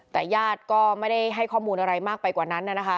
แต่ญาติก็ไม่ได้ให้ข้อมูลอะไรมากไปกว่านั้นนะคะ